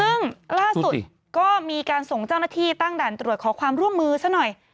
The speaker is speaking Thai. ซึ่งล่าสุดก็มีการส่งเจ้าหน้าที่ตั้งด่านตรวจขอความร่วมมือซะหน่อย